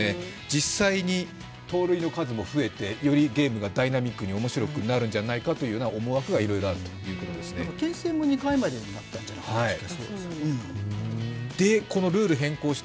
実際に盗塁の数も増えてよりゲームがダイナミックにおもしろくなるんじゃないかという思惑がけん制も２回までになったんじゃなかったですか。